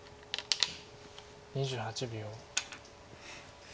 ２８秒。